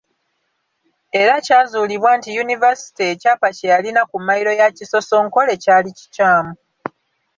Era kyazuulibwa nti Yunivasite ekyapa kyeyalina ku mmayiro ya Kisosonkole kyali kikyamu..